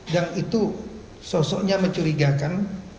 dan itu sosoknya mencurigakan